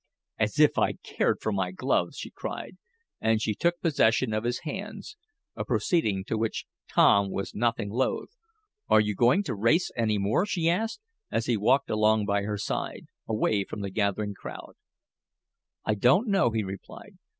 "As if I cared for my gloves!" she cried, and she took possession of his hands, a proceeding to which Tom was nothing loath. "Are you going to race any more?" she asked, as he walked along by her side, away from the gathering crowd. "I don't know," he replied.